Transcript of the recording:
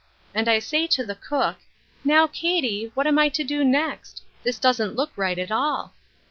And I say to the cook, ' Now, Katy, what am I to do next ? this doesn't look right at all.'